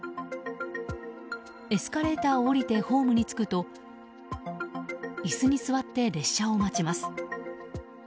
エスカレーターを下りてホームに着くと椅子に座って列車を待ちます。